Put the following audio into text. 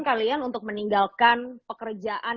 kalian untuk meninggalkan pekerjaan